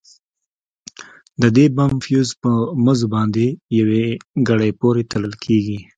د دې بم فيوز په مزو باندې يوې ګړۍ پورې تړل کېږي.